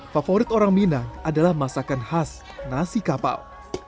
favorit orang minang adalah masakan khas nasi kapau